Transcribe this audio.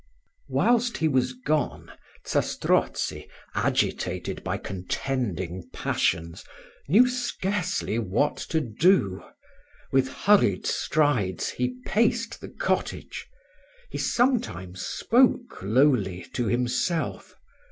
Whilst he was gone, Zastrozzi, agitated by contending passions, knew scarcely what to do. With hurried strides he paced the cottage. He sometimes spoke lowly to himself.